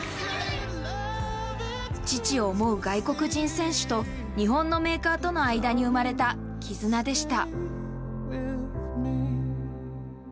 父を思う外国人選手と、日本のメーカーとの間に生まれた絆でした。